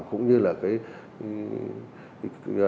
cũng như là cái